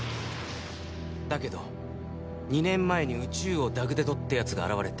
だけど２年前に宇蟲王ダグデドってやつが現れて。